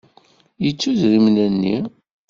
Yettu idrimen-nni.